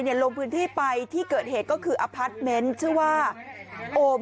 เนี่ยลงพื้นที่ไปที่เกิดเหตุก็คืออพาสเม้นชื่อว่าโอม